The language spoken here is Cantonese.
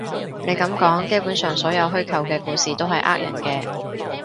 你噉講，基本上所有虛構嘅故事都係呃人嘅